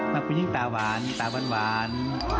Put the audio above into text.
ถ้าคุณยิ่งตาหวานตาหวาน